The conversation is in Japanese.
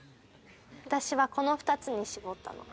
私はこの２つに絞ったの。